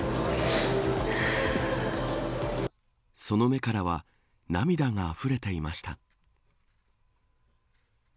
その目からは涙があふれていました。